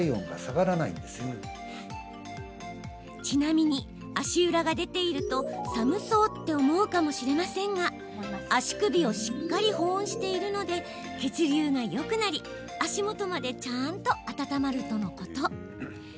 ちなみに、足裏が出ていると寒そうって思うかもしれませんが足首をしっかり保温しているので血流がよくなり、足先までちゃんとあたたまるとのこと。